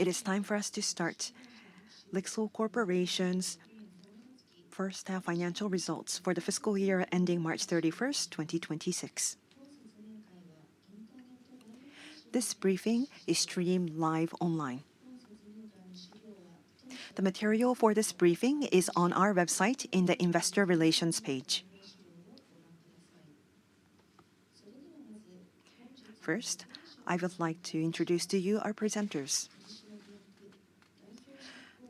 It is time for us to start. LIXIL Corporation's first-half financial results for the fiscal year ending March 31st, 2026. This briefing is streamed live online. The material for this briefing is on our website in the Investor Relations page. First, I would like to introduce to you our presenters: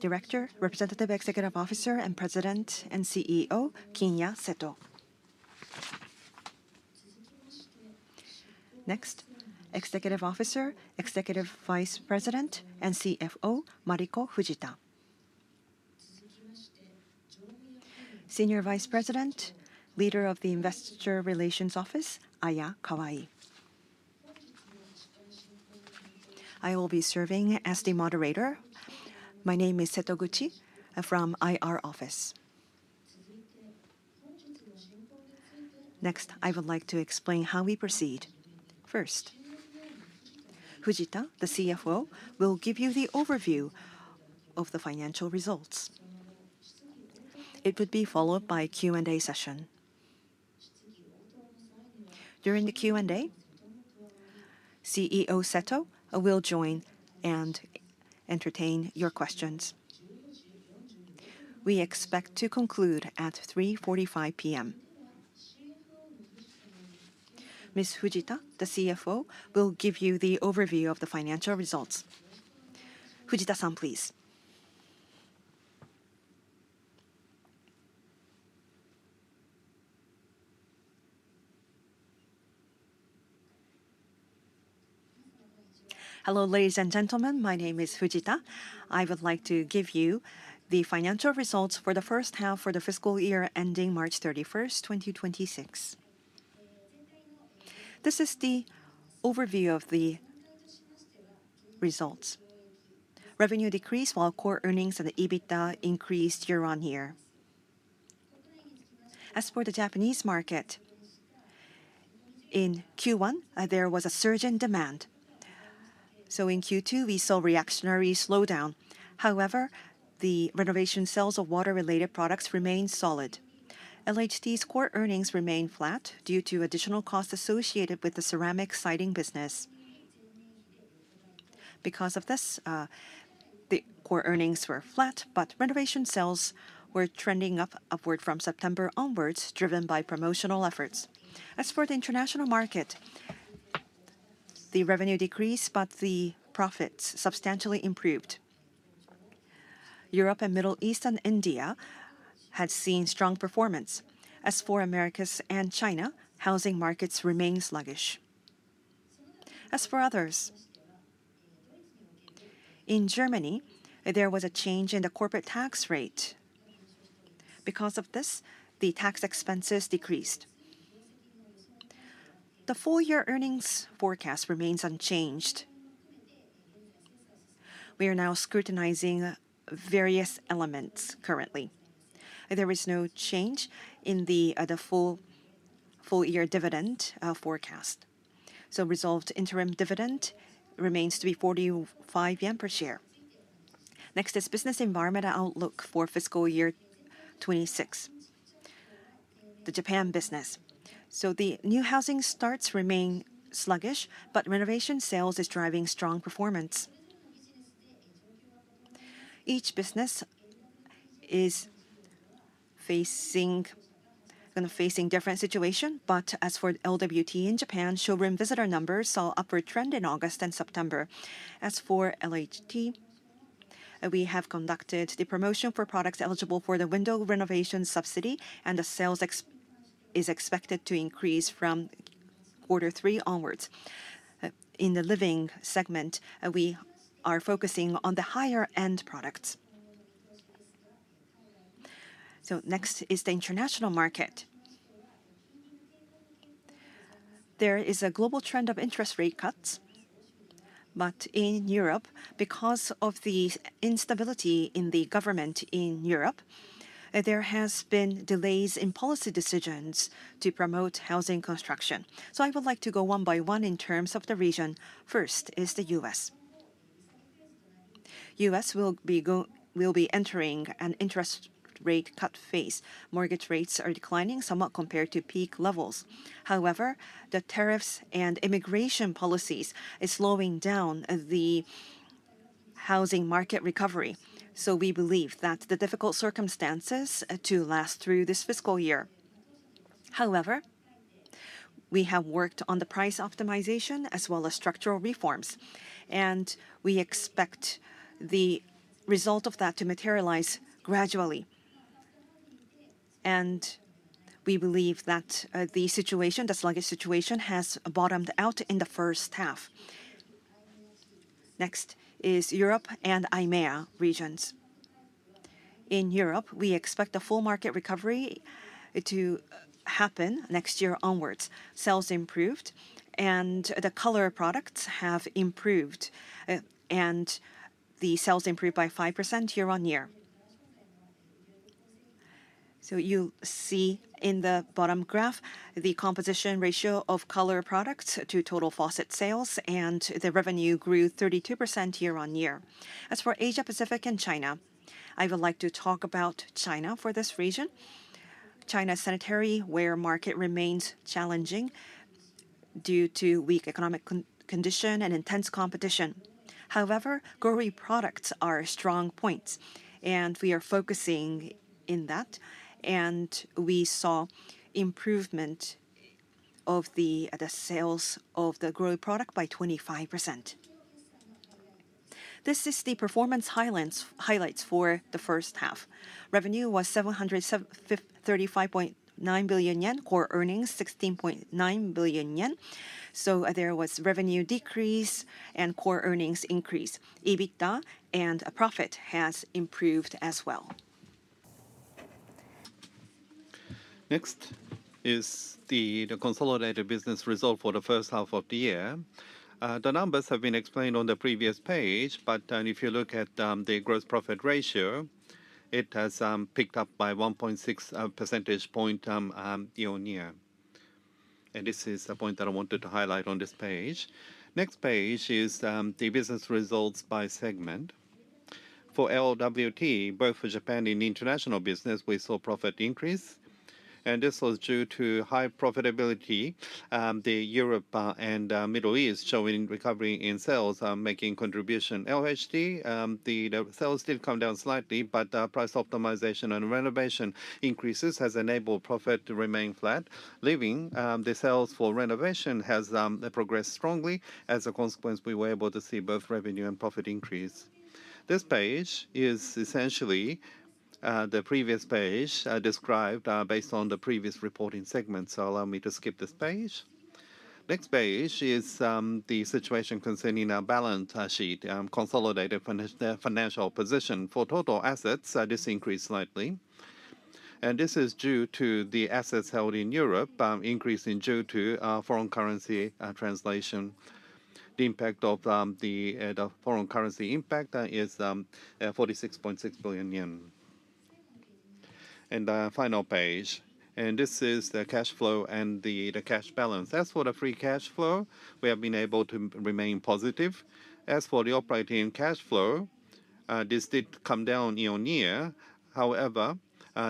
Director, Representative Executive Officer, and President and CEO, Kinya Seto. Next, Executive Officer, Executive Vice President, and CFO, Mariko Fujita. Senior Vice President, Leader of the Investor Relations Office, Aya Kawai. I will be serving as the moderator. My name is Setoguchi from IR Office. Next, I would like to explain how we proceed. First, Fujita, the CFO, will give you the overview of the financial results. It would be followed by a Q&A session. During the Q&A, CEO Seto will join and entertain your questions. We expect to conclude at 3:45 P.M. Ms. Fujita, the CFO, will give you the overview of the financial results. Fujita-san, please. Hello, ladies and gentlemen. My name is Fujita. I would like to give you the financial results for the first half of the fiscal year ending March 31st, 2026. This is the overview of the results. Revenue decreased while core earnings and EBITDA increased year-on-year. As for the Japanese market, in Q1, there was a surge in demand. In Q2, we saw a reactionary slowdown. However, the renovation sales of water-related products remained solid. LHD's core earnings remained flat due to additional costs associated with the ceramic siding business. Because of this, the core earnings were flat, but renovation sales were trending upward from September onwards, driven by promotional efforts. As for the international market, the revenue decreased, but the profits substantially improved. Europe and the Middle East and India had seen strong performance. As for America and China, housing markets remained sluggish. As for others, in Germany, there was a change in the corporate tax rate. Because of this, the tax expenses decreased. The full-year earnings forecast remains unchanged. We are now scrutinizing various elements currently. There is no change in the full-year dividend forecast. The resolved interim dividend remains to be 45 yen per share. Next is business environment outlook for fiscal year 2026. The Japan business. The new housing starts remain sluggish, but renovation sales are driving strong performance. Each business is facing a different situation, but as for LWT in Japan, showroom visitor numbers saw an upward trend in August and September. As for LHD, we have conducted the promotion for products eligible for the window renovation subsidy, and the sales is expected to increase from quarter three onwards. In the living segment, we are focusing on the higher-end products. Next is the international market. There is a global trend of interest rate cuts, but in Europe, because of the instability in the government in Europe, there have been delays in policy decisions to promote housing construction. I would like to go one by one in terms of the region. First is the U.S. The U.S. will be entering an interest rate cut phase. Mortgage rates are declining somewhat compared to peak levels. However, the tariffs and immigration policies are slowing down the housing market recovery. We believe that the difficult circumstances will last through this fiscal year. However, we have worked on the price optimization as well as structural reforms, and we expect the result of that to materialize gradually. We believe that the situation, the sluggish situation, has bottomed out in the first half. Next is Europe and IMEA regions. In Europe, we expect a full market recovery to happen next year onwards. Sales improved, and the color products have improved, and the sales improved by 5% year-on-year. You see in the bottom graph the composition ratio of color products to total faucet sales, and the revenue grew 32% year-on-year. As for Asia-Pacific and China, I would like to talk about China for this region. China's sanitary ware market remains challenging due to weak economic conditions and intense competition. However, growing products are strong points, and we are focusing on that, and we saw improvement of the sales of the growth product by 25%. This is the performance highlights for the first half. Revenue was 735.9 billion yen, core earnings 16.9 billion yen. There was revenue decrease and core earnings increase. EBITDA and profit have improved as well. Next is the consolidated business result for the first half of the year. The numbers have been explained on the previous page, but if you look at the gross profit ratio, it has picked up by 1.6 percentage points year-on-year. This is a point that I wanted to highlight on this page. The next page is the business results by segment. For LWT, both for Japan and international business, we saw profit increase, and this was due to high profitability. Europe and Middle East showing recovery in sales making contribution. LHD, the sales did come down slightly, but price optimization and renovation increases have enabled profit to remain flat. Leaving the sales for renovation has progressed strongly. As a consequence, we were able to see both revenue and profit increase. This page is essentially the previous page described based on the previous reporting segment. Allow me to skip this page. The next page is the situation concerning our balance sheet, consolidated financial position. For total assets, this increased slightly. This is due to the assets held in Europe increasing due to foreign currency translation. The impact of the foreign currency impact is 46.6 billion yen. The final page is the cash flow and the cash balance. As for the free cash flow, we have been able to remain positive. As for the operating cash flow, this did come down year-on-year. However,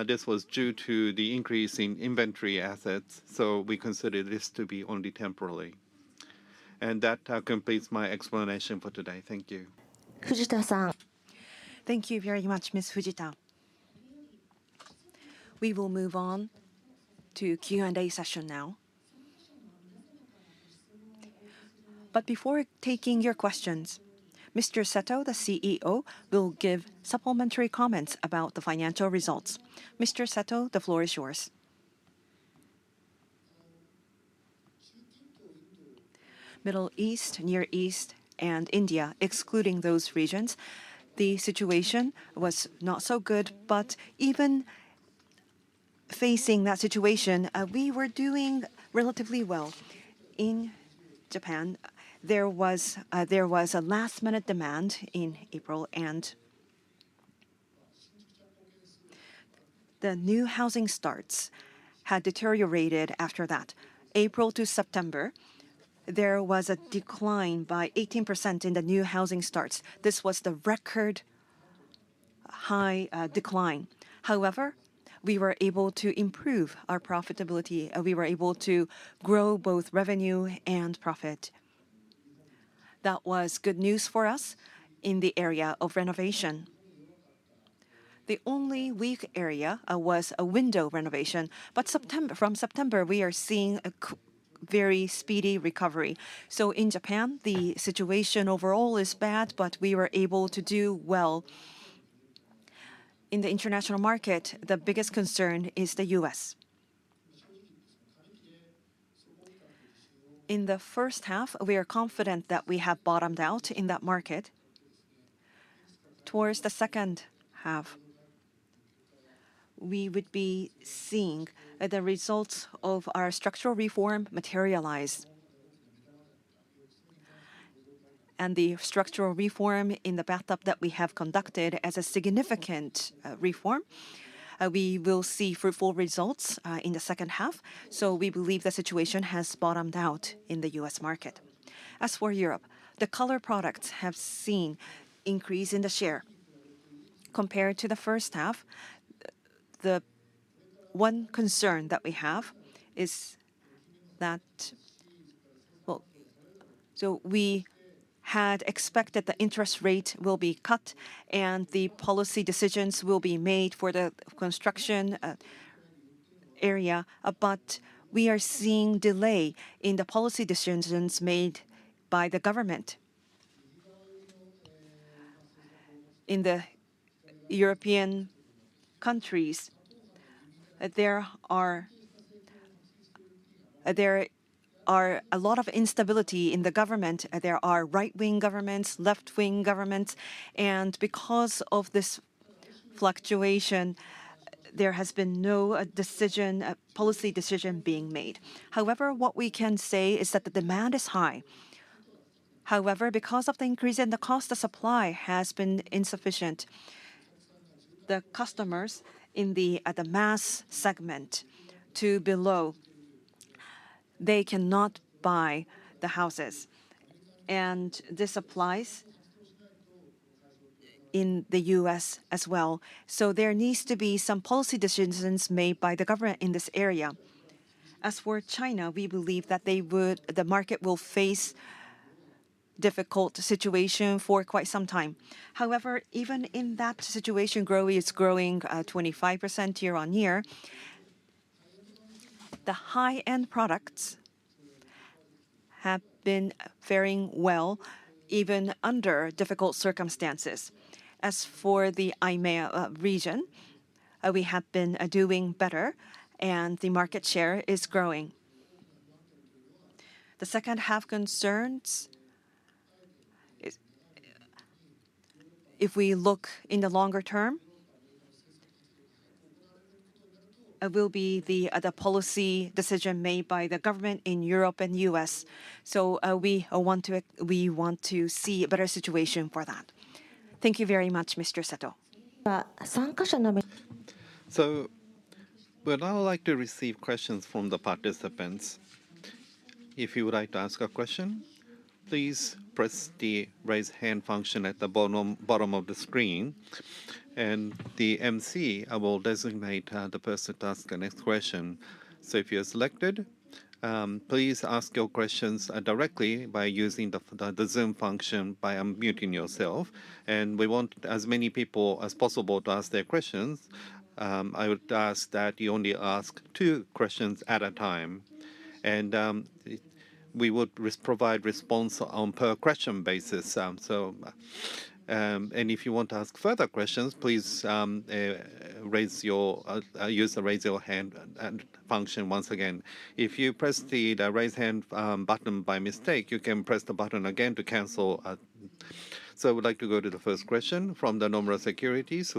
this was due to the increase in inventory assets. We consider this to be only temporary. That completes my explanation for today. Thank you. Fujita-san. Thank you very much, Ms. Fujita. We will move on to Q&A session now. Before taking your questions, Mr. Seto, the CEO, will give supplementary comments about the financial results. Mr. Seto, the floor is yours. Middle East, Near East, and India, excluding those regions, the situation was not so good. Even facing that situation, we were doing relatively well. In Japan, there was a last-minute demand in April, and the new housing starts had deteriorated after that. April to September, there was a decline by 18% in the new housing starts. This was the record high decline. However, we were able to improve our profitability. We were able to grow both revenue and profit. That was good news for us in the area of renovation. The only weak area was window renovation. From September, we are seeing a very speedy recovery. In Japan, the situation overall is bad, but we were able to do well. In the international market, the biggest concern is the U.S. In the first half, we are confident that we have bottomed out in that market. Towards the second half, we would be seeing the results of our structural reform materialize. The structural reform in the bathtub that we have conducted is a significant reform. We will see fruitful results in the second half. We believe the situation has bottomed out in the U.S. market. As for Europe, the color products have seen an increase in the share compared to the first half. The one concern that we have is that, well, we had expected the interest rate will be cut and the policy decisions will be made for the construction area. We are seeing a delay in the policy decisions made by the government. In the European countries, there is a lot of instability in the government. There are right-wing governments, left-wing governments. Because of this fluctuation, there has been no policy decision being made. However, what we can say is that the demand is high. However, because of the increase in the cost, the supply has been insufficient. The customers in the mass segment to below, they cannot buy the houses. This applies in the U.S. as well. There needs to be some policy decisions made by the government in this area. As for China, we believe that the market will face a difficult situation for quite some time. However, even in that situation, growth is growing 25% year-on-year. The high-end products have been faring well even under difficult circumstances. As for the IMEA region, we have been doing better, and the market share is growing. The second half concerns, if we look in the longer term, will be the policy decision made by the government in Europe and the U.S. We want to see a better situation for that. Thank you very much, Mr. Seto. I would now like to receive questions from the participants. If you would like to ask a question, please press the raise hand function at the bottom of the screen. The MC will designate the person to ask the next question. If you're selected, please ask your questions directly by using the Zoom function by unmuting yourself. We want as many people as possible to ask their questions. I would ask that you only ask two questions at a time. We would provide responses on a per-question basis. If you want to ask further questions, please use the raise your hand function once again. If you press the raise hand button by mistake, you can press the button again to cancel. I would like to go to the first question from Nomura Securities,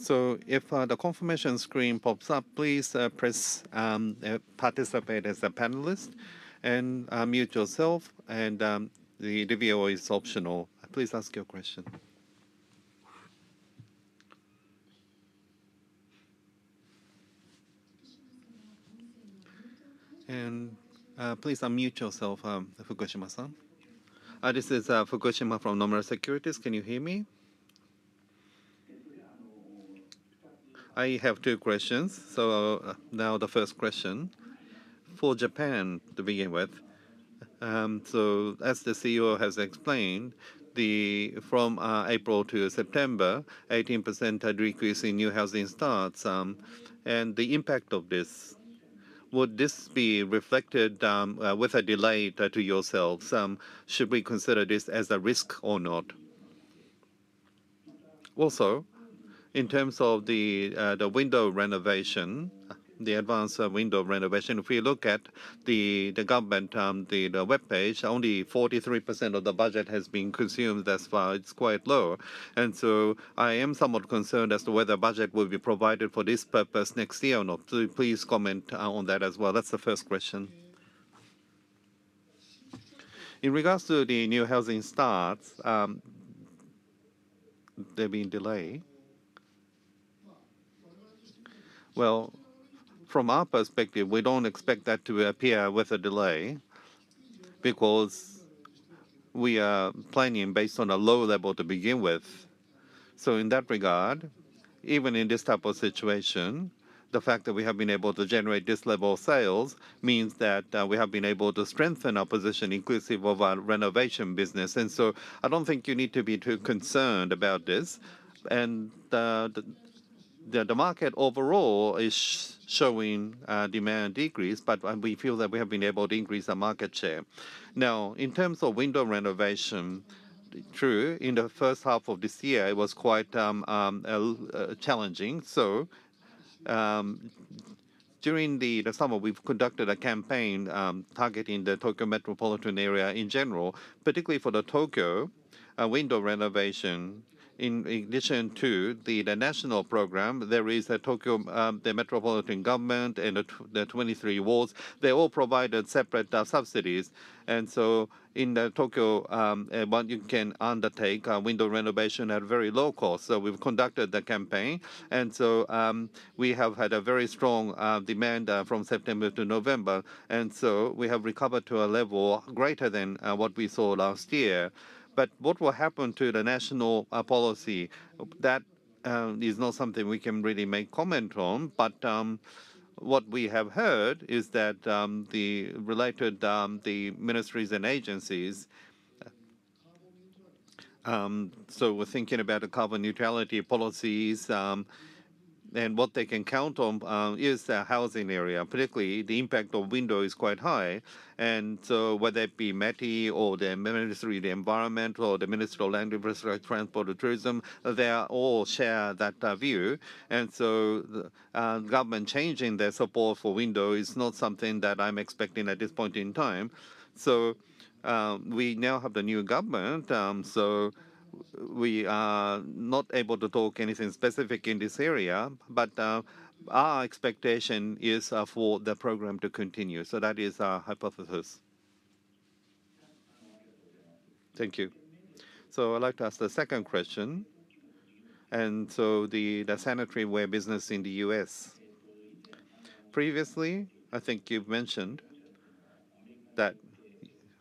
Fukushima-san. If the confirmation screen pops up, please press participate as a panelist and unmute yourself. The video is optional. Please ask your question. Please unmute yourself, Fukushima-san. This is Fukushima from Nomura Securities. Can you hear me? I have two questions. The first question. For Japan, to begin with, as the CEO has explained, from April to September, 18% decrease in new housing starts. The impact of this, would this be reflected with a delay to yourselves? Should we consider this as a risk or not? Also, in terms of the window renovation, the advanced window renovation, if we look at the government web page, only 43% of the budget has been consumed thus far. It's quite low. I am somewhat concerned as to whether the budget will be provided for this purpose next year or not. Please comment on that as well. That's the first question. In regards to the new housing starts, there being delay. From our perspective, we don't expect that to appear with a delay because we are planning based on a low level to begin with. In that regard, even in this type of situation, the fact that we have been able to generate this level of sales means that we have been able to strengthen our position inclusive of our renovation business. I don't think you need to be too concerned about this. The market overall is showing demand decrease, but we feel that we have been able to increase our market share. In terms of window renovation, true, in the first half of this year, it was quite challenging. During the summer, we conducted a campaign targeting the Tokyo metropolitan area in general, particularly for the Tokyo window renovation. In addition to the national program, there is the Tokyo metropolitan government and the 23 wards. They all provided separate subsidies. In Tokyo, you can undertake window renovation at a very low cost. We conducted the campaign, and we have had very strong demand from September to November. We have recovered to a level greater than what we saw last year. What will happen to the national policy? That is not something we can really make comment on. What we have heard is that the related ministries and agencies, so we're thinking about the carbon neutrality policies, and what they can count on is the housing area. Particularly, the impact of window is quite high. Whether it be METI or the Ministry of the Environment or the Ministry of Land, Infrastructure, Transport, and Tourism, they all share that view. Government changing their support for window is not something that I'm expecting at this point in time. We now have the new government. We are not able to talk anything specific in this area. Our expectation is for the program to continue. That is our hypothesis. Thank you. I'd like to ask the second question. The sanitary ware business in the U.S. Previously, I think you've mentioned that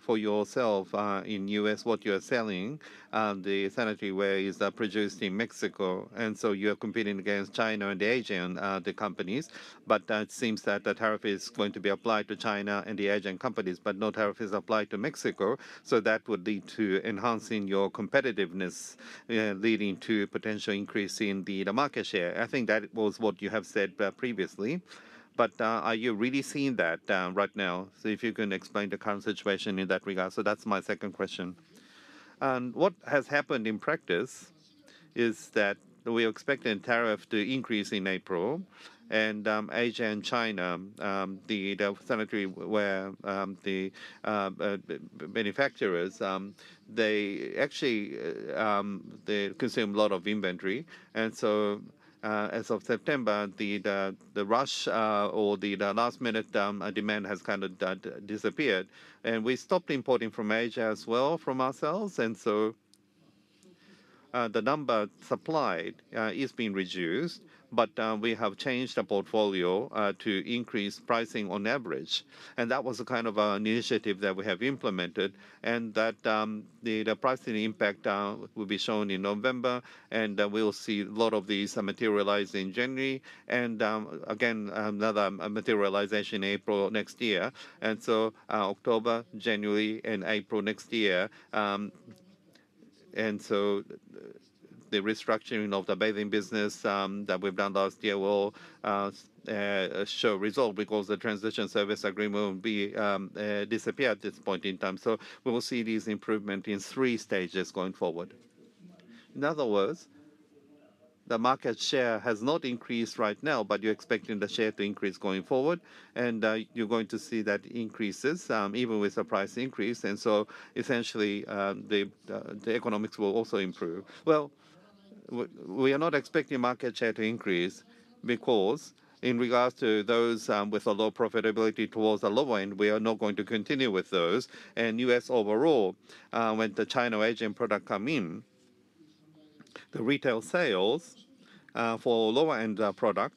for yourself in the U.S, what you are selling, the sanitary ware is produced in Mexico. You are competing against China and the Asian companies. It seems that the tariff is going to be applied to China and the Asian companies, but no tariff is applied to Mexico. That would lead to enhancing your competitiveness, leading to a potential increase in the market share. I think that was what you have said previously. Are you really seeing that right now? If you can explain the current situation in that regard. That's my second question. What has happened in practice is that we are expecting tariffs to increase in April. Asia and China, the sanitary ware manufacturers, they actually consume a lot of inventory. As of September, the rush or the last-minute demand has kind of disappeared. We stopped importing from Asia as well from ourselves. The number supplied is being reduced. We have changed our portfolio to increase pricing on average. That was kind of an initiative that we have implemented. The pricing impact will be shown in November. We will see a lot of these materialize in January. Again, another materialization in April next year. October, January, and April next year. The restructuring of the bathing business that we have done last year will show results because the transition service agreement will disappear at this point in time. We will see these improvements in three stages going forward. In other words, the market share has not increased right now, but you're expecting the share to increase going forward. You're going to see that increases even with the price increase. Essentially, the economics will also improve. We are not expecting market share to increase because in regards to those with a low profitability towards the lower end, we are not going to continue with those. In the U.S. overall, when the China Asian product comes in, the retail sales for lower-end product,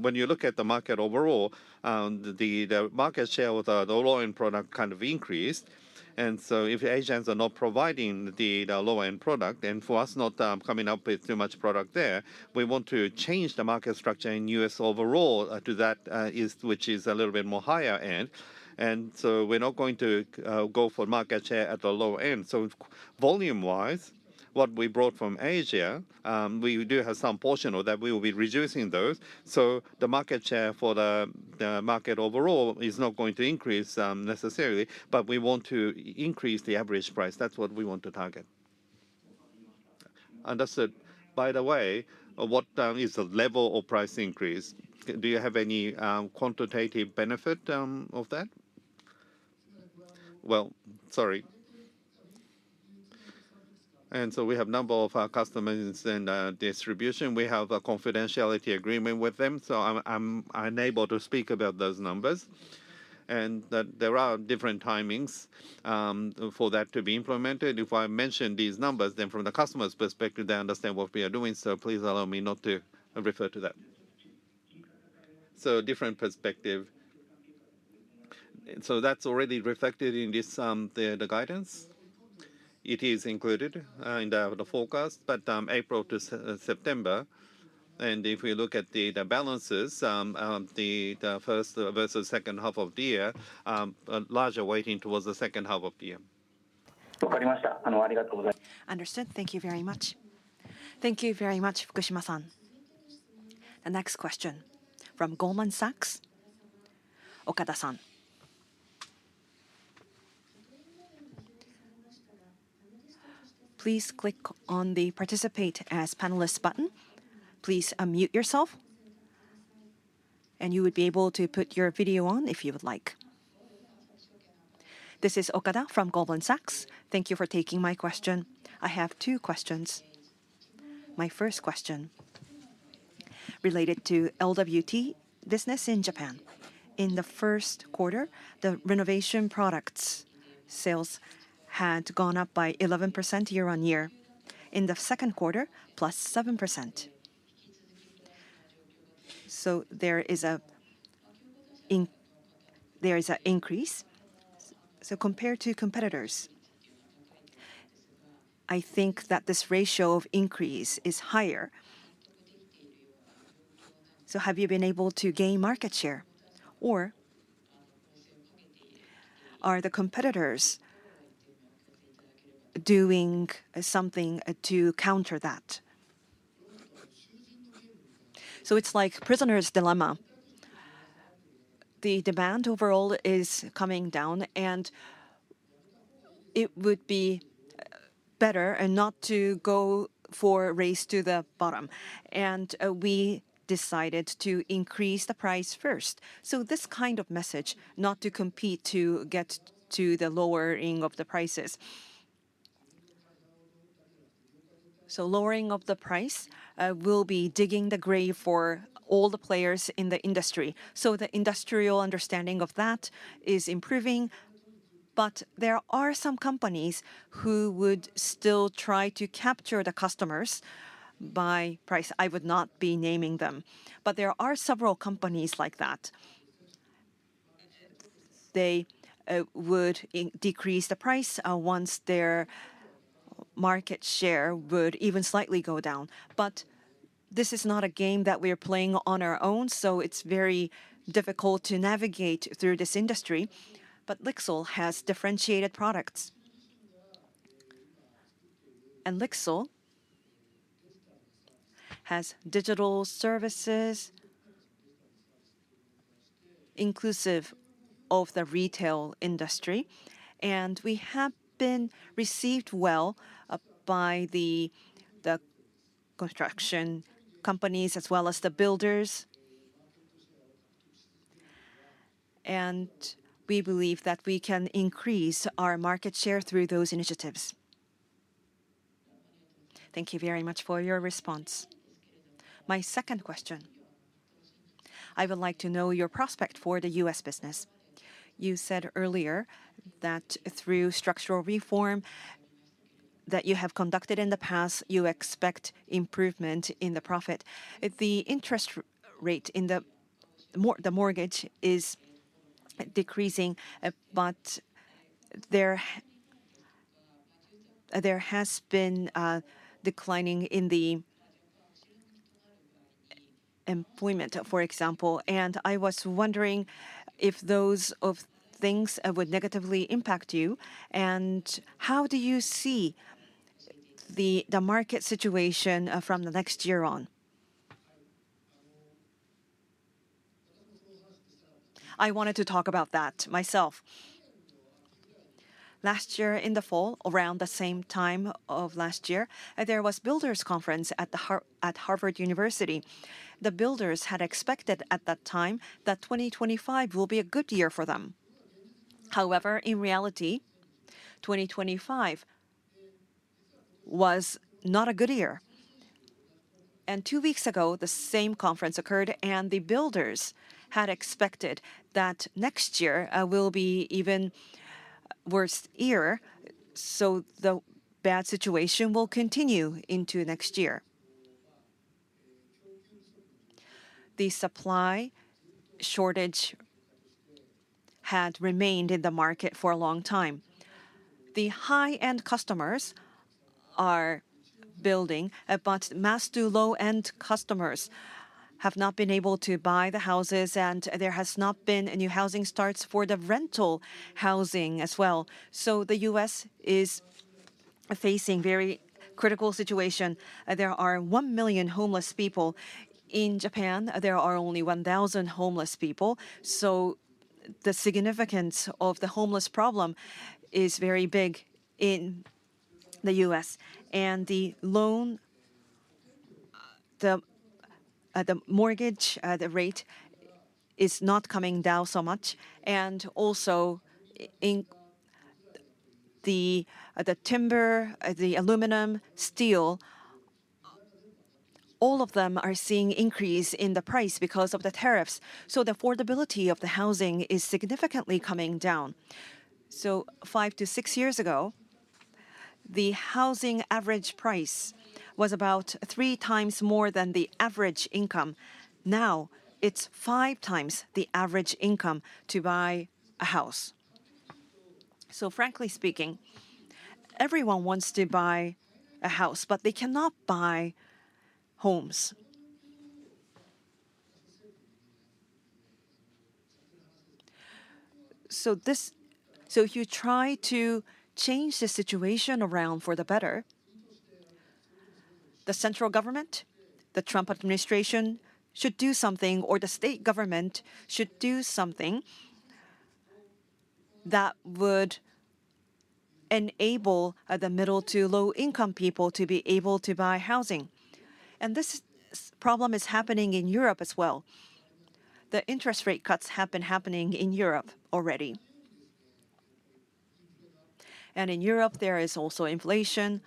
when you look at the market overall, the market share with the lower-end product kind of increased. If Asians are not providing the lower-end product, and for us not coming up with too much product there, we want to change the market structure in the U.S. overall to that, which is a little bit more higher end. We are not going to go for market share at the lower end. Volume-wise, what we brought from Asia, we do have some portion of that. We will be reducing those. The market share for the market overall is not going to increase necessarily. We want to increase the average price. That is what we want to target. Understood. By the way, what is the level of price increase? Do you have any quantitative benefit of that? Sorry. We have a number of customers in the distribution. We have a confidentiality agreement with them, so I am unable to speak about those numbers. There are different timings for that to be implemented. If I mention these numbers, then from the customer's perspective, they understand what we are doing. Please allow me not to refer to that. Different perspective. That is already reflected in the guidance. It is included in the forecast, but April to September. If we look at the balances, the first versus second half of the year, there is a larger weighting towards the second half of the year. ありがとうございます。Understood. Thank you very much. Thank you very much, Fukushima-san. The next question from Goldman Sachs. Okada-san. Please click on the Participate as Panelist button. Please unmute yourself. You would be able to put your video on if you would like. This is Okada from Goldman Sachs. Thank you for taking my question. I have two questions. My first question is related to LWT business in Japan. In the first quarter, the renovation products sales had gone up by 11% year-on-year. In the second quarter, +7%. There is an increase. Compared to competitors, I think that this ratio of increase is higher. Have you been able to gain market share? Or are the competitors doing something to counter that? It's like prisoner's dilemma. The demand overall is coming down, and it would be better not to go for a race to the bottom. We decided to increase the price first. This kind of message, not to compete, to get to the lowering of the prices. Lowering of the price will be digging the grave for all the players in the industry. The industrial understanding of that is improving. There are some companies who would still try to capture the customers by price. I would not be naming them. There are several companies like that. They would decrease the price once their market share would even slightly go down. This is not a game that we are playing on our own. It's very difficult to navigate through this industry. LIXIL has differentiated products. LIXIL has digital services inclusive of the retail industry. We have been received well by the construction companies as well as the builders. We believe that we can increase our market share through those initiatives. Thank you very much for your response. My second question. I would like to know your prospect for the U.S. business. You said earlier that through structural reform that you have conducted in the past, you expect improvement in the profit. The interest rate in the mortgage is decreasing, but there has been declining in the employment, for example. I was wondering if those things would negatively impact you. How do you see the market situation from the next year on? I wanted to talk about that myself. Last year in the fall, around the same time of last year, there was a builders' conference at Harvard University. The builders had expected at that time that 2025 will be a good year for them. However, in reality, 2025 was not a good year. Two weeks ago, the same conference occurred, and the builders had expected that next year will be an even worse year. The bad situation will continue into next year. The supply shortage had remained in the market for a long time. The high-end customers are building, but massive low-end customers have not been able to buy the houses, and there has not been any housing starts for the rental housing as well. The U.S. is facing a very critical situation. There are 1 million homeless people in Japan. There are only 1,000 homeless people. The significance of the homeless problem is very big in the U.S. The loan, the mortgage rate is not coming down so much. Also, the timber, the aluminum, steel, all of them are seeing an increase in the price because of the tariffs. The affordability of the housing is significantly coming down. Five to six years ago, the housing average price was about 3x more than the average income. Now it is 5x the average income to buy a house. Frankly speaking, everyone wants to buy a house, but they cannot buy homes. If you try to change the situation around for the better, the central government, the Trump administration should do something, or the state government should do something that would enable the middle to low-income people to be able to buy housing. This problem is happening in Europe as well. The interest rate cuts have been happening in Europe already. In Europe, there is also inflation.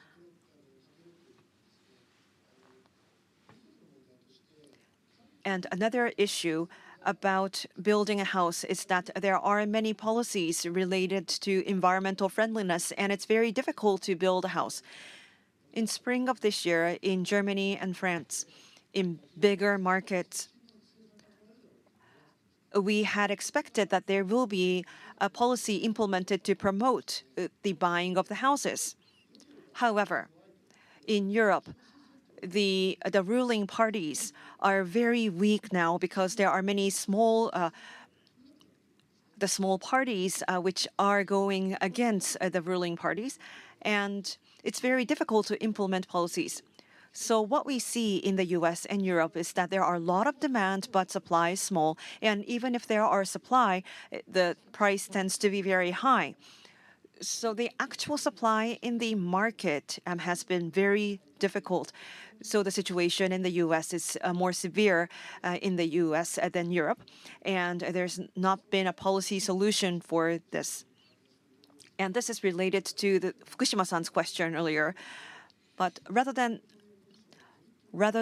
Another issue about building a house is that there are many policies related to environmental friendliness, and it is very difficult to build a house. In spring of this year in Germany and France, in bigger markets, we had expected that there will be a policy implemented to promote the buying of the houses. However, in Europe, the ruling parties are very weak now because there are many small parties which are going against the ruling parties. It is very difficult to implement policies. What we see in the U.S. and Europe is that there is a lot of demand, but supply is small. Even if there is supply, the price tends to be very high. The actual supply in the market has been very difficult. The situation in the U.S. is more severe in the U.S. than Europe. There has not been a policy solution for this. This is related to Fukushima-san's question earlier. Rather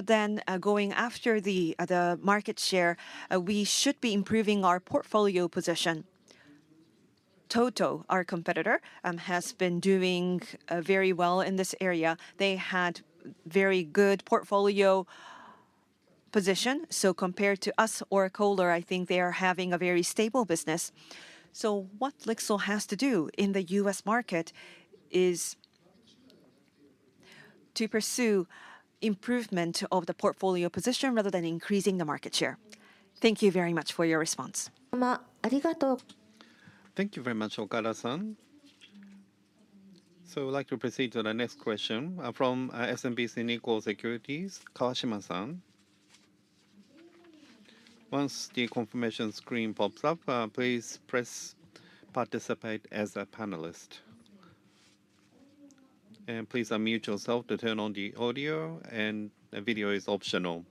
than going after the market share, we should be improving our portfolio position. Toto, our competitor, has been doing very well in this area. They had a very good portfolio position. Compared to us or Kohler, I think they are having a very stable business. What LIXIL has to do in the U.S. market is to pursue improvement of the portfolio position rather than increasing the market share. Thank you very much for your response. Thank you very much, Okada-san. I would like to proceed to the next question from S&B Securities, Kawashima-san. Once the confirmation screen pops up, please press Participate as a panelist. Please unmute yourself to turn on the audio, and the video is optional.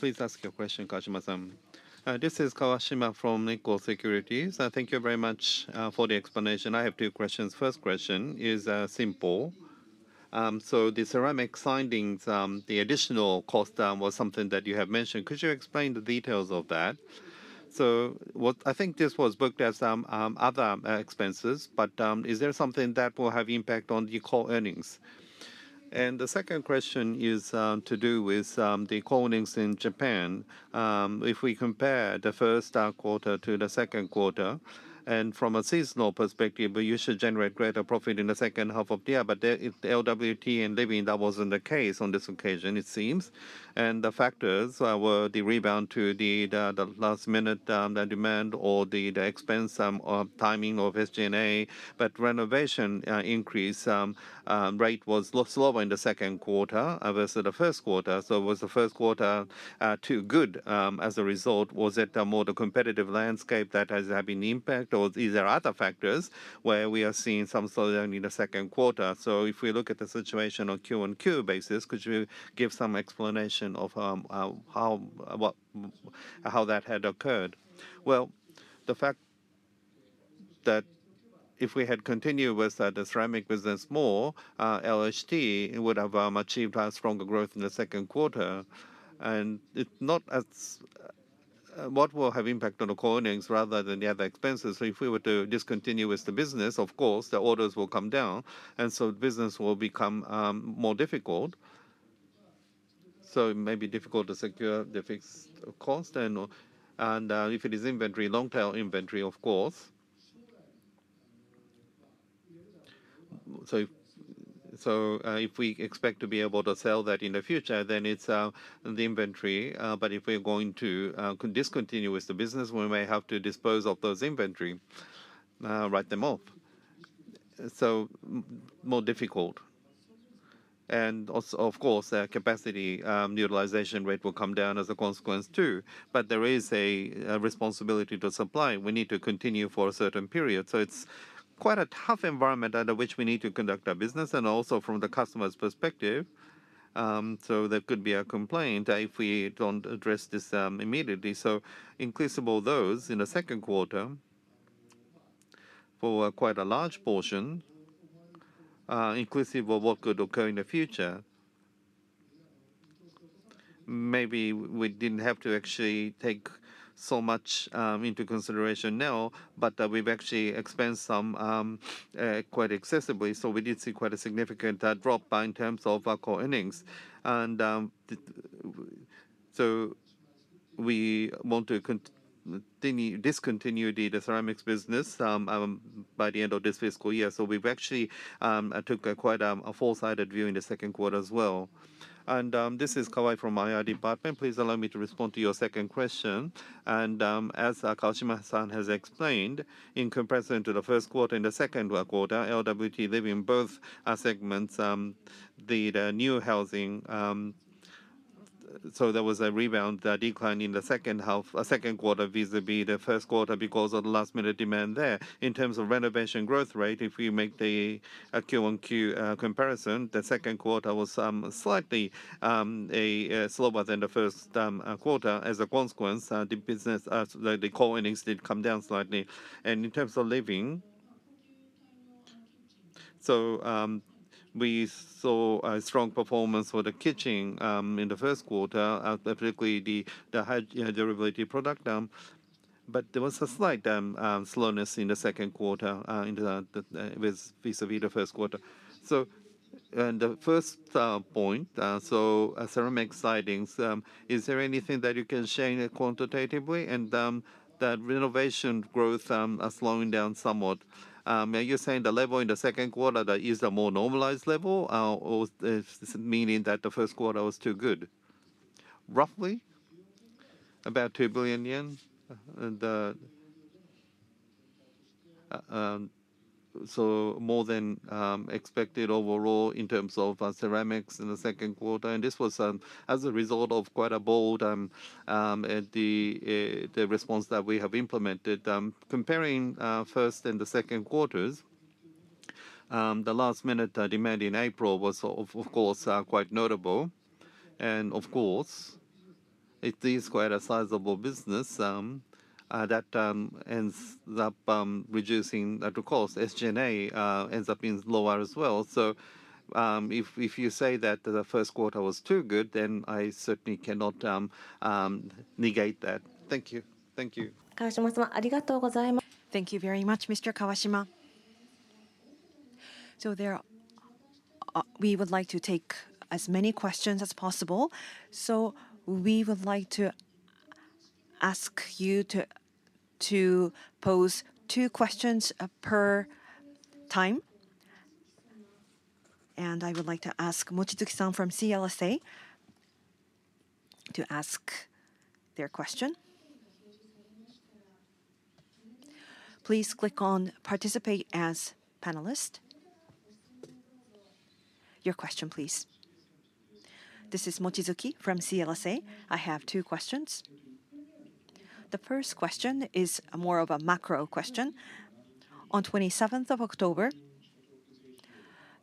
Please ask your question, Kawashima-san. This is Kawashima from S&B Securities. Thank you very much for the explanation. I have two questions. First question is simple. The ceramic siding, the additional cost was something that you have mentioned. Could you explain the details of that? I think this was booked as other expenses, but is there something that will have an impact on the core earnings? The second question is to do with the core earnings in Japan. If we compare the first quarter to the second quarter, and from a seasonal perspective, you should generate greater profit in the second half of the year. LWT and Living, that was not the case on this occasion, it seems. The factors were the rebound to the last minute demand or the expense timing of SG&A. The renovation increase rate was slower in the second quarter versus the first quarter. Was the first quarter too good as a result? Was it more the competitive landscape that has had an impact, or are there other factors where we are seeing some slowdown in the second quarter? If we look at the situation on a Q&Q basis, could you give some explanation of how that had occurred? The fact that if we had continued with the ceramic business more, LHD would have achieved stronger growth in the second quarter. It is not what will have an impact on the core earnings rather than the other expenses. If we were to discontinue the business, of course, the orders will come down. The business will become more difficult. It may be difficult to secure the fixed cost. If it is inventory, long-tail inventory, of course, if we expect to be able to sell that in the future, then it is the inventory. If we are going to discontinue the business, we may have to dispose of those inventory, write them off. More difficult. Of course, capacity utilization rate will come down as a consequence too. There is a responsibility to supply. We need to continue for a certain period. It is quite a tough environment under which we need to conduct our business. Also, from the customer's perspective, there could be a complaint if we do not address this immediately. Inclusive of those in the second quarter for quite a large portion, inclusive of what could occur in the future. Maybe we did not have to actually take so much into consideration now, but we have actually expensed some quite excessively. We did see quite a significant drop in terms of our core earnings. We want to discontinue the ceramics business by the end of this fiscal year. We have actually taken quite a foresighted view in the second quarter as well. This is Kawai from IR Department. Please allow me to respond to your second question. As Kawashima-san has explained, in comparison to the first quarter and the second quarter, LWT, Living, both segments, the new housing, there was a rebound, a decline in the second quarter vis-à-vis the first quarter because of the last-minute demand there. In terms of renovation growth rate, if we make the Q&Q comparison, the second quarter was slightly slower than the first quarter. As a consequence, the business, the core earnings did come down slightly. In terms of living, we saw a strong performance for the kitchen in the first quarter, particularly the high-durability product. There was a slight slowness in the second quarter vis-à-vis the first quarter. The first point, ceramic siding, is there anything that you can share quantitatively? That renovation growth has slowed down somewhat. Are you saying the level in the second quarter is a more normalized level, or does this mean that the first quarter was too good? Roughly about 2 billion yen. More than expected overall in terms of ceramics in the second quarter. This was as a result of quite a bold response that we have implemented. Comparing first and second quarters, the last-minute demand in April was, of course, quite notable. Of course, it is quite a sizable business that ends up reducing the cost. SG&A ends up being lower as well. If you say that the first quarter was too good, then I certainly cannot negate that. Thank you. Thank you. Thank you very much, Mr. Kawashima. We would like to take as many questions as possible. We would like to ask you to pose two questions per time. I would like to ask Mochizuki-san from CLSA to ask their question. Please click on Participate as panelist. Your question, please. This is Mochizuki from CLSA. I have two questions. The first question is more of a macro question. On 27th of October,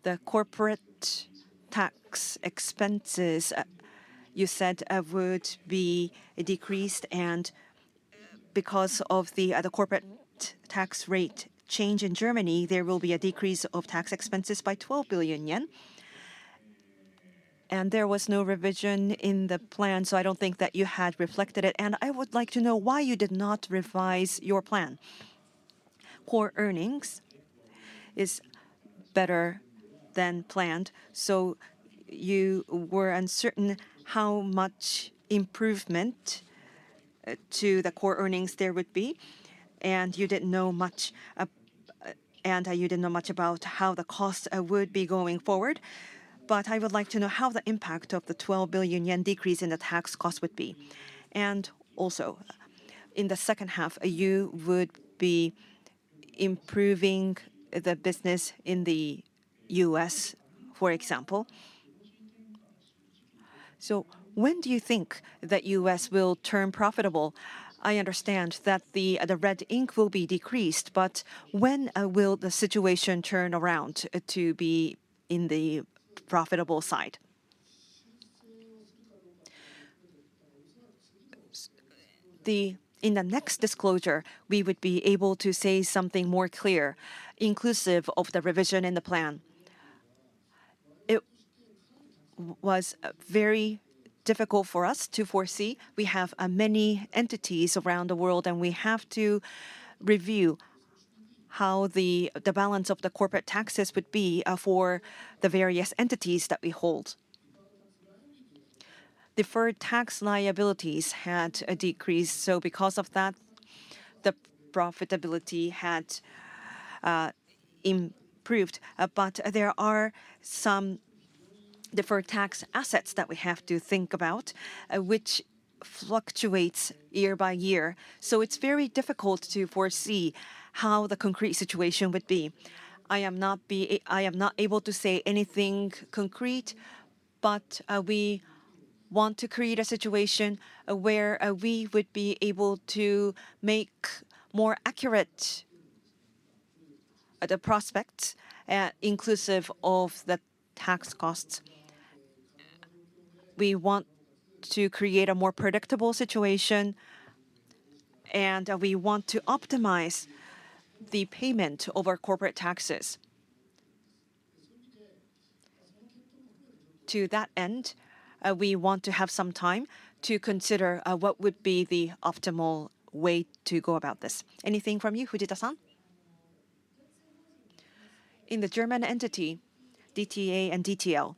the corporate tax expenses, you said, would be decreased. Because of the corporate tax rate change in Germany, there will be a decrease of tax expenses by 12 billion yen. There was no revision in the plan, so I don't think that you had reflected it. I would like to know why you did not revise your plan. Core earnings is better than planned, so you were uncertain how much improvement to the core earnings there would be. You didn't know much about how the cost would be going forward. I would like to know how the impact of the 12 billion yen decrease in the tax cost would be. Also, in the second half, you would be improving the business in the U.S., for example. When do you think that the U.S. will turn profitable? I understand that the red ink will be decreased, but when will the situation turn around to be on the profitable side? In the next disclosure, we would be able to say something more clear, inclusive of the revision in the plan. It was very difficult for us to foresee. We have many entities around the world, and we have to review how the balance of the corporate taxes would be for the various entities that we hold. Deferred tax liabilities had decreased, so because of that, the profitability had improved. There are some deferred tax assets that we have to think about, which fluctuate year by year. It is very difficult to foresee how the concrete situation would be. I am not able to say anything concrete, but we want to create a situation where we would be able to make more accurate the prospect, inclusive of the tax costs. We want to create a more predictable situation, and we want to optimize the payment of our corporate taxes. To that end, we want to have some time to consider what would be the optimal way to go about this. Anything from you, Fujita-san? In the German entity, DTA and DTL,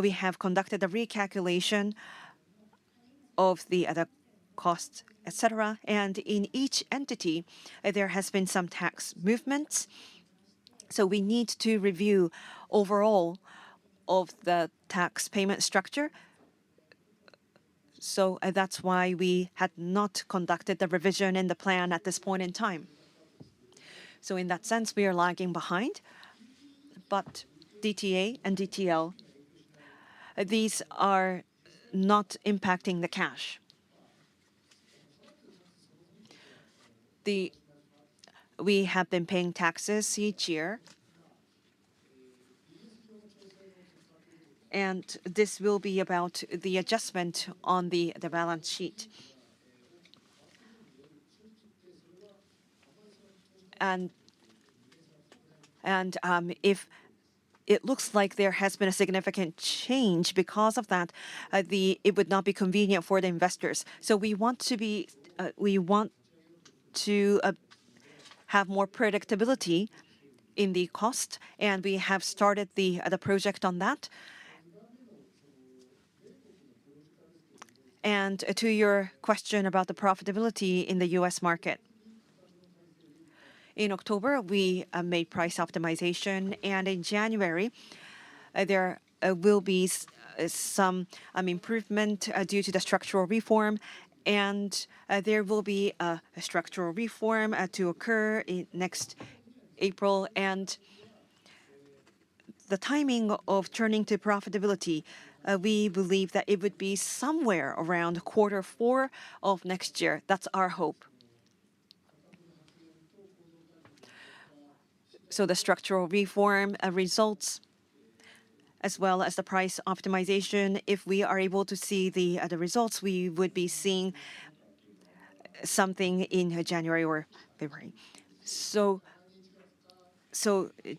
we have conducted a recalculation of the other costs, etc. In each entity, there has been some tax movements. We need to review overall of the tax payment structure. That is why we had not conducted the revision in the plan at this point in time. In that sense, we are lagging behind. DTA and DTL, these are not impacting the cash. We have been paying taxes each year, and this will be about the adjustment on the balance sheet. If it looks like there has been a significant change because of that, it would not be convenient for the investors. We want to have more predictability in the cost. We have started the project on that. To your question about the profitability in the U.S. market, in October, we made price optimization. In January, there will be some improvement due to the structural reform. There will be a structural reform to occur next April. The timing of turning to profitability, we believe that it would be somewhere around quarter four of next year. That's our hope. The structural reform results, as well as the price optimization, if we are able to see the results, we would be seeing something in January or February.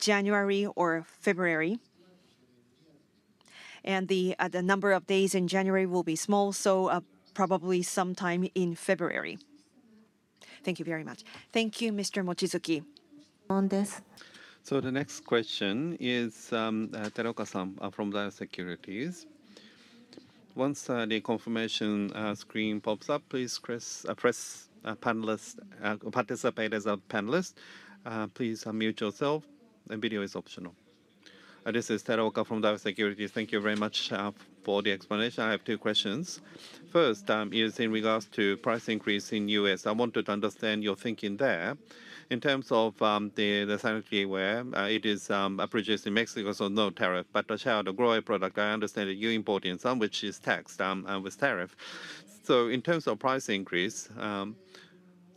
January or February, and the number of days in January will be small, so probably sometime in February. Thank you very much. Thank you, Mr. Mochizuki. The next question is Teruoka-san from Daiwa Securities. Once the confirmation screen pops up, please press Participate as a panelist. Please unmute yourself. The video is optional. This is Teruoka from Daiwa Securities. Thank you very much for the explanation. I have two questions. First is in regards to price increase in the U.S. I wanted to understand your thinking there. In terms of the sanitary ware, it is produced in Mexico, so no tariff. But the share of the GROHE product, I understand that you import in some, which is taxed with tariff. In terms of price increase,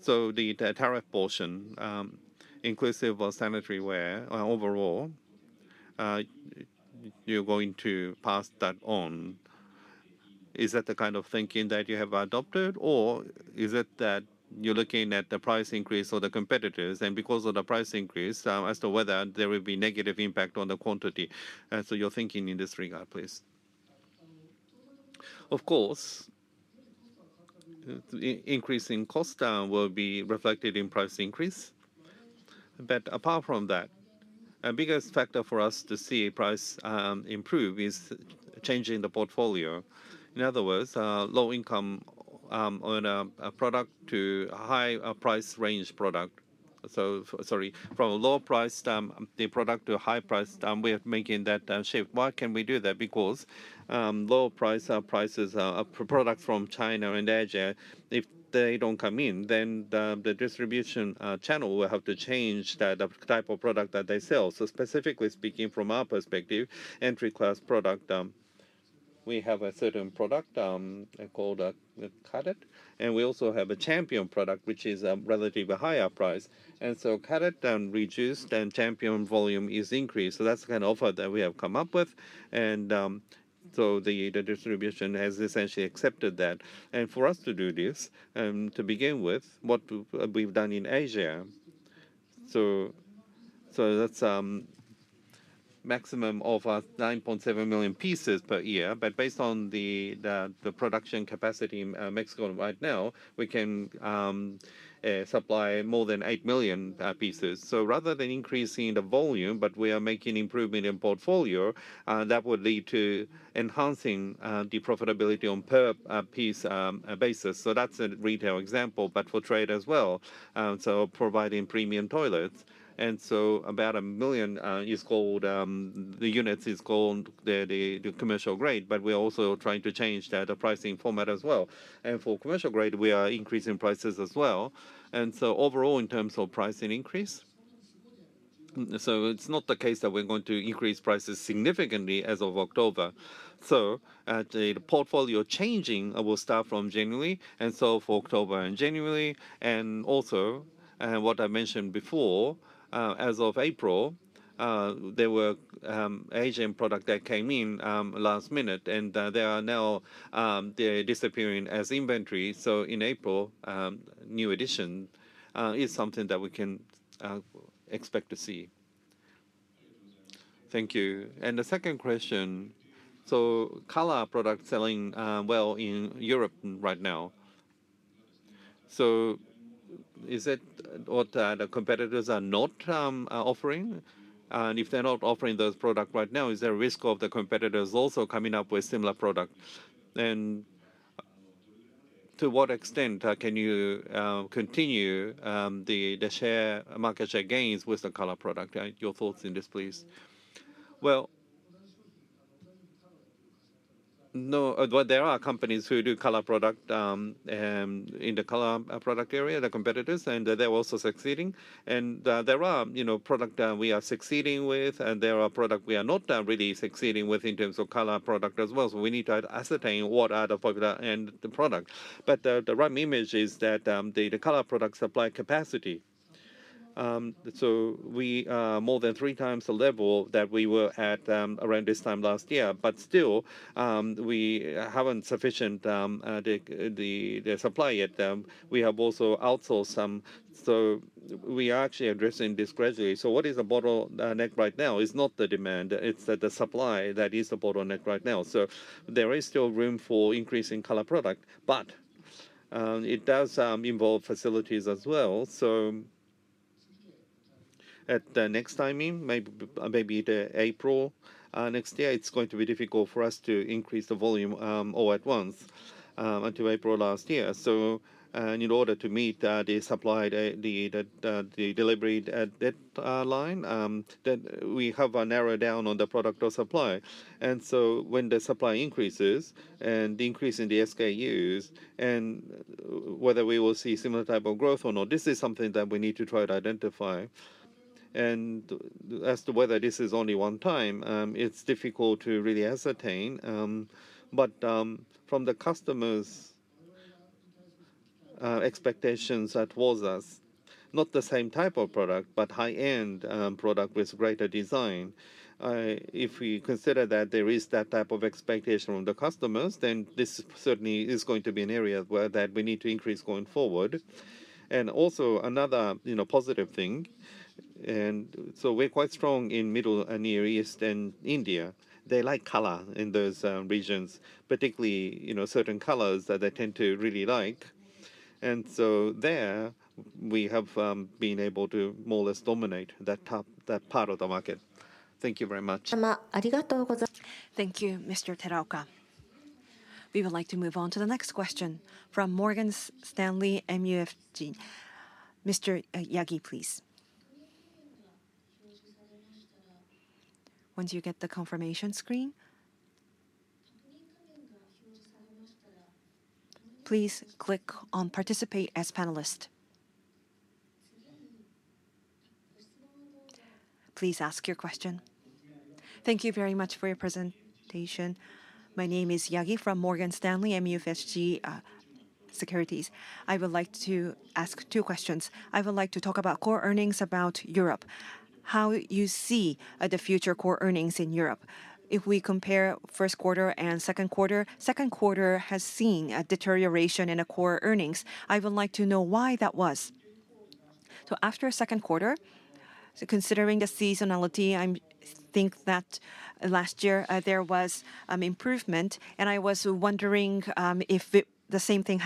the tariff portion, inclusive of sanitary ware overall, you're going to pass that on. Is that the kind of thinking that you have adopted, or is it that you're looking at the price increase or the competitors? Because of the price increase, as to whether there will be a negative impact on the quantity. Your thinking in this regard, please. Of course, increasing cost will be reflected in price increase. Apart from that, a biggest factor for us to see price improve is changing the portfolio. In other words, low-income owner product to high-price range product. Sorry, from a low-priced product to a high-priced product, we are making that shift. Why can we do that? Because low-priced products from China and Asia, if they do not come in, then the distribution channel will have to change that type of product that they sell. Specifically speaking from our perspective, entry-class product, we have a certain product called Kadet, and we also have a Champion product, which is a relatively higher price. Kadet reduced, and Champion volume is increased. That is the kind of offer that we have come up with. The distribution has essentially accepted that. For us to do this, to begin with, what we've done in Asia, that's a maximum of 9.7 million pieces per year. Based on the production capacity in Mexico right now, we can supply more than 8 million pieces. Rather than increasing the volume, we are making improvement in portfolio that would lead to enhancing the profitability on a per-piece basis. That's a retail example, but for trade as well, providing premium toilets. About a million units is called the commercial grade, but we're also trying to change that pricing format as well. For commercial grade, we are increasing prices as well. Overall, in terms of pricing increase, it's not the case that we're going to increase prices significantly as of October. The portfolio changing will start from January. For October and January, and also what I mentioned before, as of April, there were Asian products that came in last minute, and they are now disappearing as inventory. In April, new additions is something that we can expect to see. Thank you. The second question, color products selling well in Europe right now. Is it what the competitors are not offering? If they're not offering those products right now, is there a risk of the competitors also coming up with similar products? To what extent can you continue the market share gains with the color product? Your thoughts on this, please. No, there are companies who do color product in the color product area, the competitors, and they're also succeeding. There are products we are succeeding with, and there are products we are not really succeeding with in terms of color product as well. We need to ascertain what are the popular end products. The rubbing image is that the color product supply capacity is more than 3x the level that we were at around this time last year. Still, we have not sufficiently supplied yet. We have also outsourced some. We are actually addressing this gradually. What is the bottleneck right now? It is not the demand. It is the supply that is the bottleneck right now. There is still room for increasing color product, but it does involve facilities as well. At the next timing, maybe April next year, it is going to be difficult for us to increase the volume all at once until April last year. In order to meet the supply, the delivery deadline, we have narrowed down on the product or supply. When the supply increases and the increase in the SKUs, whether we will see similar type of growth or not, this is something that we need to try to identify. As to whether this is only one time, it is difficult to really ascertain. From the customers' expectations towards us, not the same type of product, but high-end product with greater design, if we consider that there is that type of expectation from the customers, then this certainly is going to be an area that we need to increase going forward. Also, another positive thing, we are quite strong in the Middle and Near East and India. They like color in those regions, particularly certain colors that they tend to really like. And so there, we have been able to more or less dominate that part of the market. Thank you very much. ありがとうございます。Thank you, Mr. Teruoka. We would like to move on to the next question from Morgan Stanley MUFG. Mr. Yagi, please. Thank you very much for your presentation. My name is Yagi from Morgan Stanley MUFG Securities. I would like to ask two questions. I would like to talk about core earnings about Europe, how you see the future core earnings in Europe. If we compare first quarter and second quarter, second quarter has seen a deterioration in core earnings. I would like to know why that was. After second quarter, considering the seasonality, I think that last year there was improvement, and I was wondering if the same thing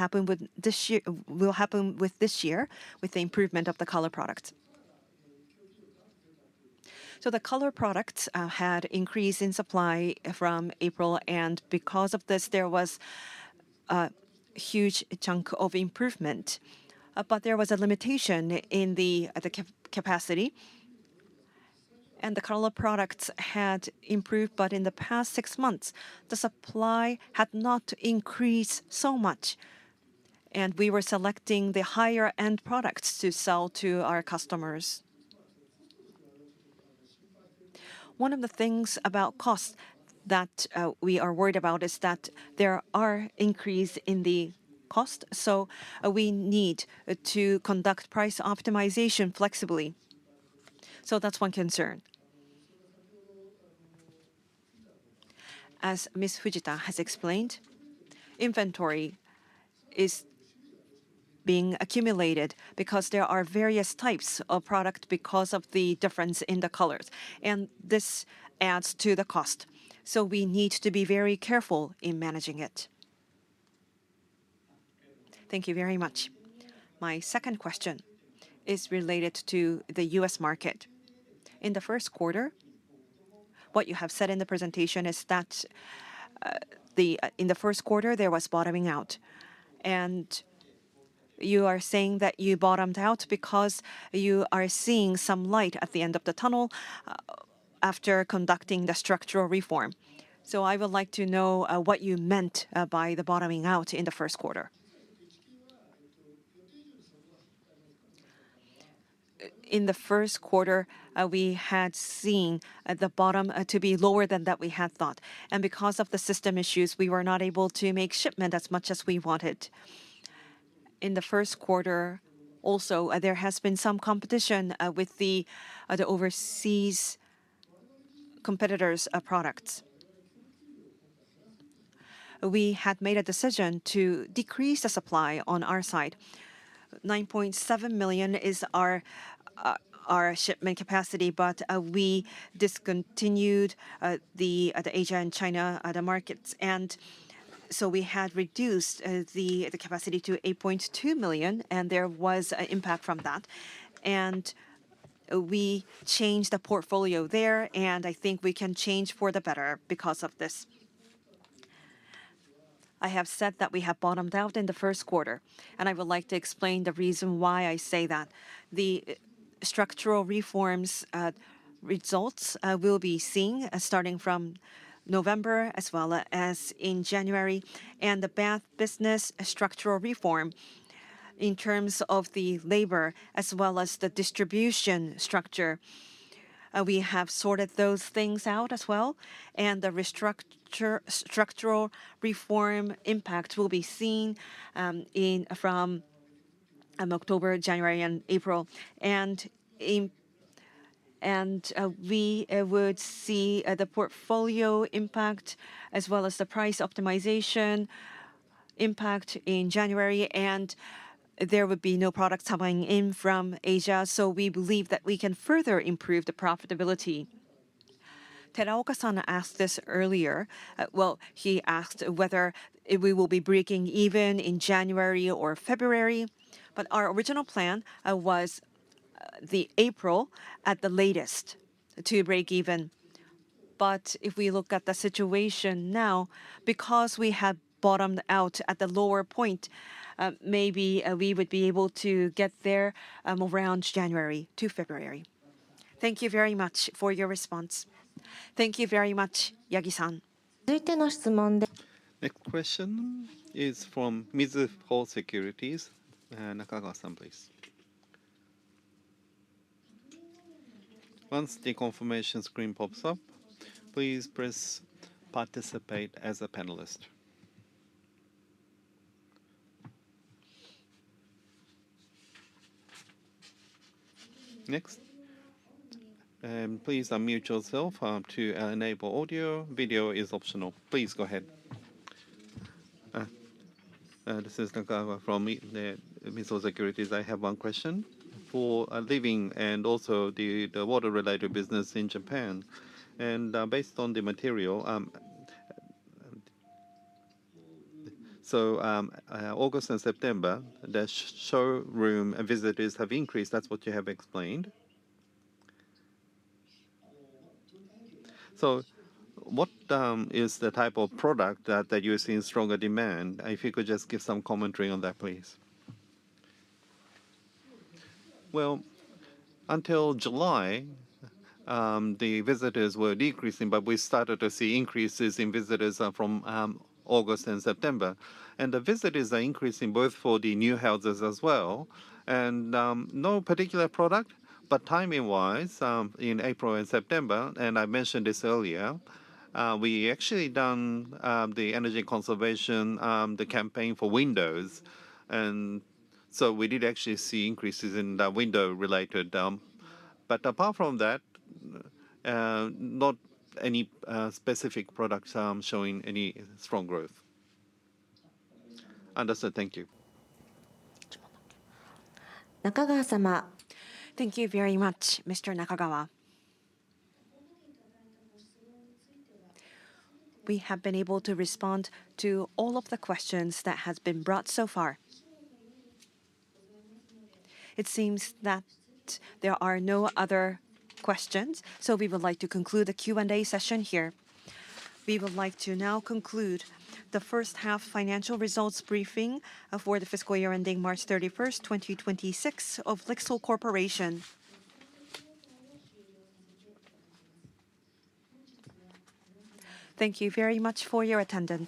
will happen with this year with the improvement of the color products. The color products had increased in supply from April, and because of this, there was a huge chunk of improvement. However, there was a limitation in the capacity, and the color products had improved, but in the past six months, the supply had not increased so much, and we were selecting the higher-end products to sell to our customers. One of the things about cost that we are worried about is that there are increases in the cost, so we need to conduct price optimization flexibly. That is one concern. As Ms. Fujita has explained, inventory is being accumulated because there are various types of products because of the difference in the colors, and this adds to the cost. We need to be very careful in managing it. Thank you very much. My second question is related to the U.S. market. In the first quarter, what you have said in the presentation is that in the first quarter, there was bottoming out. You are saying that you bottomed out because you are seeing some light at the end of the tunnel after conducting the structural reform. I would like to know what you meant by the bottoming out in the first quarter. In the first quarter, we had seen the bottom to be lower than what we had thought. Because of the system issues, we were not able to make shipment as much as we wanted. In the first quarter, also, there has been some competition with the overseas competitors' products. We had made a decision to decrease the supply on our side. 9.7 million is our shipment capacity, but we discontinued the Asia and China markets. We had reduced the capacity to 8.2 million, and there was an impact from that. We changed the portfolio there, and I think we can change for the better because of this. I have said that we have bottomed out in the first quarter, and I would like to explain the reason why I say that. The structural reforms results will be seen starting from November as well as in January. The business structural reform in terms of the labor as well as the distribution structure, we have sorted those things out as well. The structural reform impact will be seen from October, January, and April. We would see the portfolio impact as well as the price optimization impact in January. There would be no products coming in from Asia. We believe that we can further improve the profitability. Teruoka-san asked this earlier. He asked whether we will be breaking even in January or February. Our original plan was April at the latest to break even. If we look at the situation now, because we have bottomed out at the lower point, maybe we would be able to get there around January to February. Thank you very much for your response. Thank you very much, Yagi-san. についての質問。Next question is from Mizuho Securities. Nakagawa-san, please. Once the confirmation screen pops up, please press Participate as a panelist. Next. Please unmute yourself to enable audio. Video is optional. Please go ahead. This is Nakagawa from Mizuho Securities. I have one question. For living and also the water-related business in Japan. Based on the material, August and September, the showroom visitors have increased. That's what you have explained. What is the type of product that you're seeing stronger demand? If you could just give some commentary on that, please. Until July, the visitors were decreasing, but we started to see increases in visitors from August and September. The visitors are increasing both for the new houses as well. No particular product, but timing-wise, in April and September, and I mentioned this earlier, we actually did the energy conservation campaign for windows. We did actually see increases in window-related. Apart from that, not any specific products showing any strong growth. Understood. Thank you. なかがわさま。Thank you very much, Mr. Nakagawa. 私たちは We have been able to respond to all of the questions that have been brought so far. It seems that there are no other questions, so we would like to conclude the Q&A session here. We would like to now conclude the first-half financial results briefing for the fiscal year ending March 31st, 2026, of LIXIL Corporation. Thank you very much for your attendance.